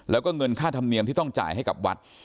แล้วก็เงินค่าธรรมเนียมที่ต้องจ่ายให้กับวัด